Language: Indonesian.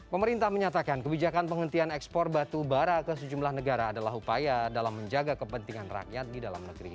pemerintah menyatakan kebijakan penghentian ekspor batu bara ke sejumlah negara adalah upaya dalam menjaga kepentingan rakyat di dalam negeri